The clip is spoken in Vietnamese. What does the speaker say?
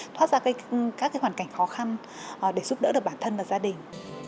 thoát ra các hoàn cảnh khó khăn để giúp đỡ được bản thân và gia đình